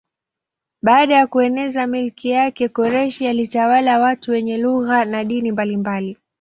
Baada ya kueneza milki yake Koreshi alitawala watu wenye lugha na dini mbalimbali.